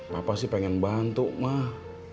bapak sih pengen bantu mah